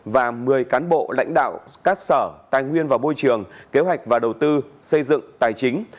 và một mươi cán bộ lãnh đạo các sở tài nguyên và môi trường kế hoạch và đầu tư xây dựng tài chính